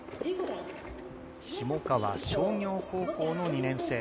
下川商業高校の２年生。